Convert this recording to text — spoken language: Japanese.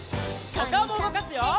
おかおもうごかすよ！